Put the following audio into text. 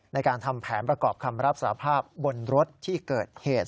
ในการทำแผนประกอบคำรับสาภาพบนรถที่เกิดเหตุ